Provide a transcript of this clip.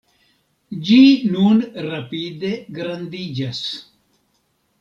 Ĝi nun rapide grandiĝas.